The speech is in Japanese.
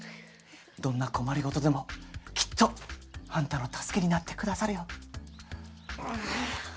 どんな困りごとでも、きっとあんたの助けになってくださるよ。